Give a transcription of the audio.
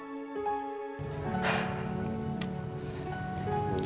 itu tidak bisa dikira kira